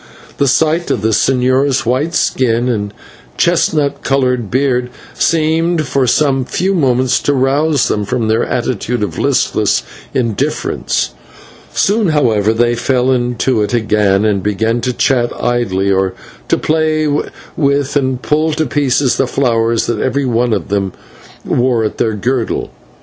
The sight of the señor's white skin and chestnut coloured beard seemed for some few moments to rouse them from their attitude of listless indifference. Soon, however, they fell into it again, and began to chat idly, or to play with and pull to pieces the flowers that every one of them wore at her girdle.